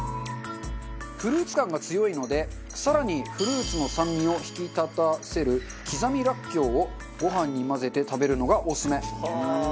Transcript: フルーツ感が強いので更にフルーツの酸味を引き立たせる刻みらっきょうをご飯に混ぜて食べるのがオススメ。